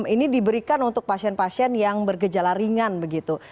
ini diberikan untuk pasien pasien yang bergejala ringan begitu